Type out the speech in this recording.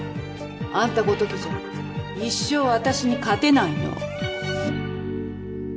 あんたごときじゃ一生私に勝てないの。